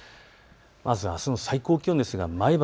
まずあすの最高気温ですが前橋、